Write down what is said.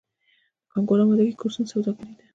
د کانکور امادګۍ کورسونه سوداګري ده؟